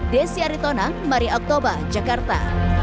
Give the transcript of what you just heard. desy aritonang mari oktober jakarta